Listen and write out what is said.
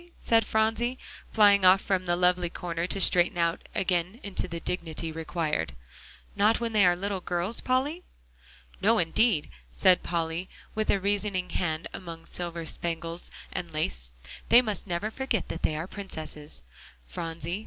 said Phronsie, flying off from the lovely corner, to straighten out again into the dignity required; "not when they are little girls, Polly?" "No, indeed," said Polly, with a rescuing hand among the silver spangles and lace; "they must never forget that they are princesses, Phronsie.